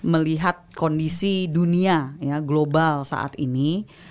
melihat kondisi dunia global saat ini